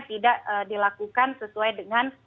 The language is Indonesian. tidak dilakukan sesuai dengan